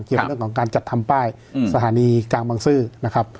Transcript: เกี่ยวกับเรื่องของการจัดทำป้ายสถานีกลางบางซื่อนะครับ